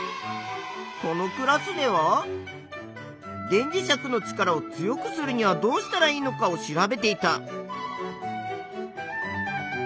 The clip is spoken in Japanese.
このクラスでは電磁石の力を強くするにはどうしたらいいのかを調べていた。